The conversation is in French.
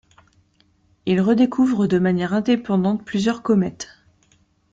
Il redécouvre de manière indépendante plusieurs comètes.